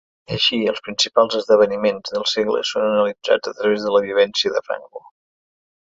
Així, els principals esdeveniments del segle són analitzats a través de la vivència de Franco.